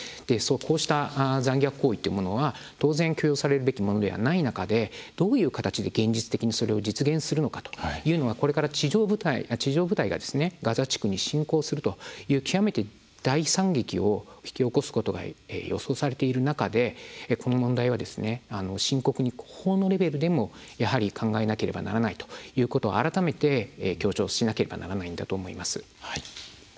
こうした残虐行為は当然、許容されるべきではないもので、どういう形でそれを実現するのかというのはこれから地上部隊がガザ地区に侵攻するという極めて大惨劇を引き起こすことが予想されている中で、この問題は深刻に法のレベルでも考えなければならないということ改めて強調しなければならないと思います。